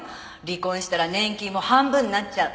「離婚したら年金も半分になっちゃう」